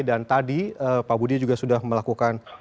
dan tadi pak budi juga sudah melakukan